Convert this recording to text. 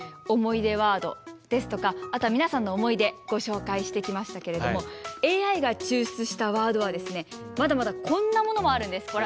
思い出ワードですとかあとは皆さんの思い出ご紹介してきましたけれどもＡＩが抽出したワードはですねまだまだこんなものもあるんです。